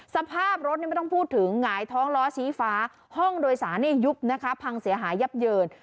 สภาพรถนี่ไม่ต้องพูดถึงหงายท้องล้อชี้ฟ้าห้องโดยสารนี่ยุบนะคะพังเสียหายยับเยิน